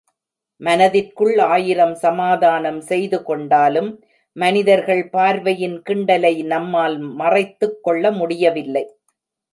மனதிற்குள் ஆயிரம் சமாதானம் செய்து கொண்டாலும், மனிதர்கள் பார்வையின் கிண்டலை, நம்மால் மறைத்துக் கொள்ள முடியவில்லை.